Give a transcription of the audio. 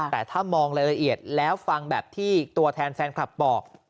แต่ถ้ามองรายละเอียดแล้วฟังแบบที่ตัวแทนแฟนคลับบอก